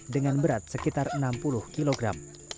dengan berat sekitar enam puluh kilogram